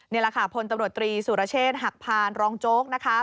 นี่แหละค่ะพลตำรวจตรีสุรเชษฐ์หักพานรองโจ๊กนะคะ